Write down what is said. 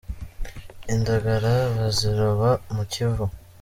indagara baziroba mu kivu